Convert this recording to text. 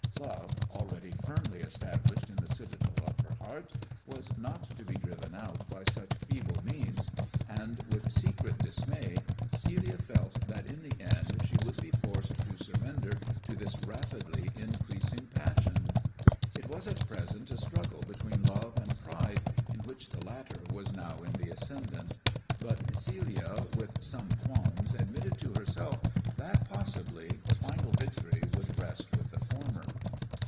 Love, already firmly established in the citadel of her heart, was not to be driven out by such feeble means ; and with secret dismay Celia felt that in the end she would be forced to surrender to this rapidly increasing passion. It was at present a struggle between Love and Pride, in which the latter was now in the THE DWARFS CHAMBER 97 tw^ndant ; but Celia, with some qualms, admitted to herself that possibly the final victory would rest with the former.